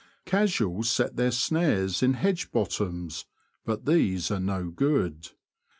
Casuals set their snares in hedge bottoms, but these are no good.